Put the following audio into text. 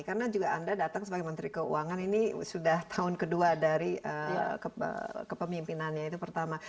karena juga anda datang sebagai menteri keuangan ini sudah tahun kedua dari kepemimpinannya itu pertama